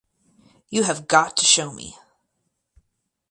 You have got to show me.